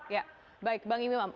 ya baik bang imam